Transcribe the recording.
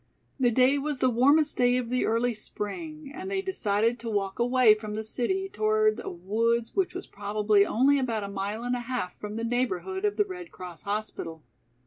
The day was the warmest day of the early spring and they decided to walk away from the city toward a woods which was probably only about a mile and a half from the neighborhood of the Red Cross hospital.